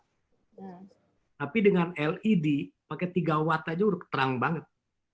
tetapi dengan led pakai tiga watt saja sudah terang banget